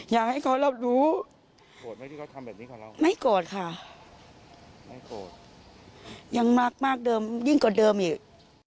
อยากให้เขารับรู้ไม่โกรธค่ะยังรักมากเดิมยิ่งกว่าเดิมอีก